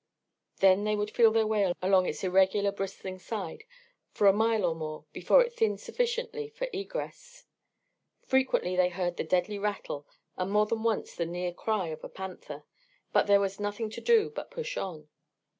Then they would feel their way along its irregular bristling side for a mile or more before it thinned sufficiently for egress. Frequently they heard the deadly rattle, and more than once the near cry of a panther, but there was nothing to do but push on.